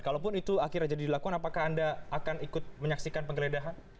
kalaupun itu akhirnya jadi dilakukan apakah anda akan ikut menyaksikan penggeledahan